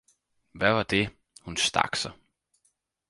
hvad var det? Hun stak sig.